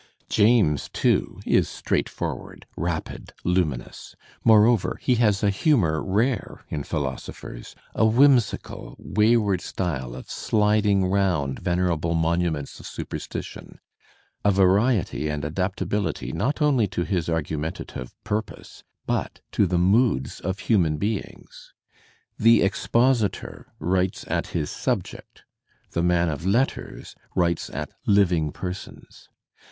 James» too> is straightforward, rapid, luminous; moreover, he has a humour rare in philosophers, a whimsical, wayward r style of sliding round venerable monuments of superstition, a variety and adaptability not only to his argumentative purpose, but to the moods of human beings. The expositor writes at his subject; the man of letters writes at living persons.